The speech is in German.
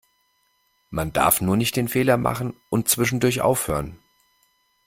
Man darf nur nicht den Fehler machen und zwischendurch aufhören.